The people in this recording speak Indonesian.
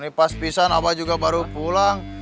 nih pas pisang abah juga baru pulang